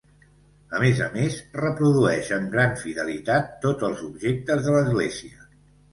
A més a més, reprodueix amb gran fidelitat tots els objectes de l'església.